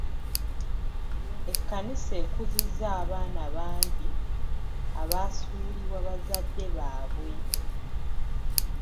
Ekkanisa ekuzizza abaana bangi abaasuulibwa bazadde baabwe.